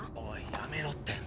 おいやめろって。